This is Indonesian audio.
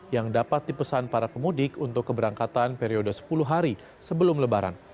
yang dapat dipesan para pemudik untuk keberangkatan periode sepuluh hari sebelum lebaran